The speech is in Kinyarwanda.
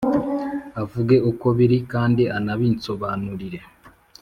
avuge uko biri, kandi anabinsobanurire!